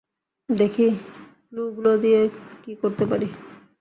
দেখি ক্লুগুলো দিয়ে কী করতে পারি।